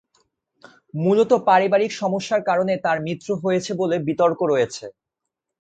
মুলত পারিবারিক সমস্যার কারণে তার মৃত্যু হয়েছে বলে বিতর্ক রয়েছে।